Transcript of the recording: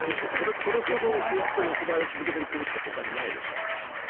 これほど横ばいを続けている国はほかにないですからね。